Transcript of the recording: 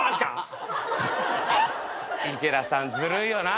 池田さんずるいよな。